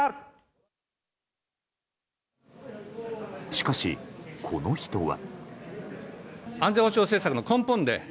しかし、この人は。